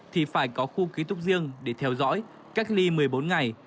thì phải có khu ký túc riêng để theo dõi cách ly một mươi bốn ngày